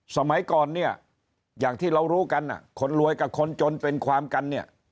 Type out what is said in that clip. สมัยก่อนเนี่ยอย่างที่เรารู้กันคนรวยกับคนจนเป็นความกันเนี่ย